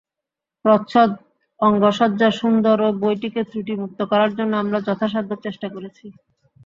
প্রচ্ছদ, অঙ্গসজ্জা সুন্দর ও বইটিকে ত্রুটিমুক্ত করার জন্য আমরা যথাসাধ্য চেষ্টা করেছি।